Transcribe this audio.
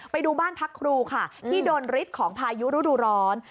ไปดูบ้านพักครูค่ะที่โดนฤทธิ์ของพายุฤดูร้อน